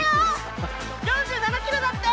４７キロだって！